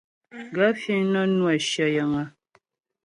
Gaə̂ fíŋ nə́ nwə́ shyə yəŋ a ?